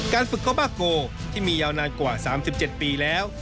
ฝึกโกบาโกที่มียาวนานกว่า๓๗ปีแล้ว